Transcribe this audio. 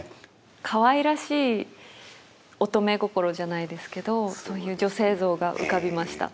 かわいらしい乙女心じゃないですけどそういう女性像が浮かびました。